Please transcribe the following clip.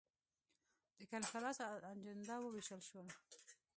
د کنفرانس اجندا وویشل شول.